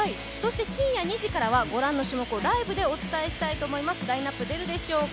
深夜２時からはご覧の種目をライブでお伝えしたいと思います。